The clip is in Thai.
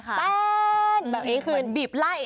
แป้นแบบนี้คือบีบไล่